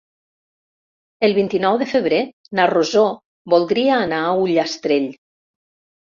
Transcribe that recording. El vint-i-nou de febrer na Rosó voldria anar a Ullastrell.